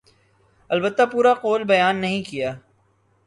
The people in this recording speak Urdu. البتہ پورا قول بیان نہیں کیا۔